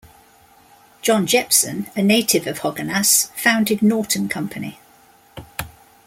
John Jeppson, a native of Hoganas, founded Norton Company.